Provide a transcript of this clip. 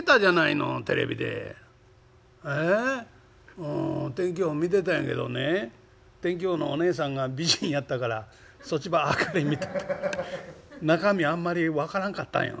うん天気予報見てたんやけどね天気予報のおねえさんが美人やったからそっちばっかり見てて中身あんまり分からんかったんよ」。